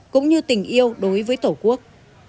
cũng như tình yêu đối với tổ quốc